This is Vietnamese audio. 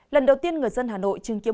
lần đầu tiên người dân hà nội chứng kiến